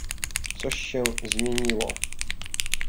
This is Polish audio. "Coś się zmieniło."